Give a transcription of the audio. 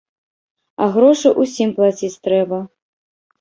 А грошы ўсім плаціць трэба.